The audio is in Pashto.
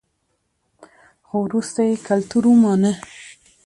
خو وروسته یې کلتور ومانه